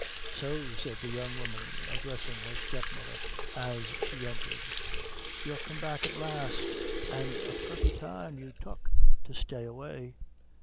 "So," said the young woman, addressing her step mother, as she entered, "you're come back at last, an' a purty time you tuck to stay away!"